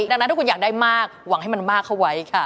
ดังนั้นถ้าคุณอยากได้มากหวังให้มันมากเข้าไว้ค่ะ